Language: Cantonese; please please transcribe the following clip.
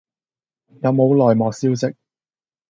有冇內幕消息